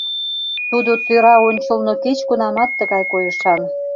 Тудо тӧра ончылно кеч-кунамат тыгай койышан.